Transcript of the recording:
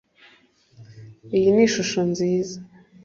iyo ni ishusho nziza